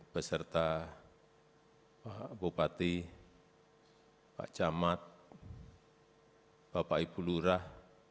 beserta pak bupati pak camat bapak ibu lurah